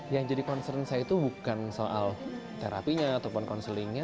yang jadi concern saya itu bukan soal terapinya ataupun counselingnya